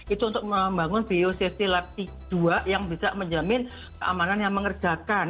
itu untuk membangun biosafety lab dua yang bisa menjamin keamanan yang mengerjakan